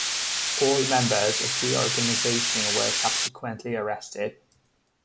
All members of the organization were subsequently arrested.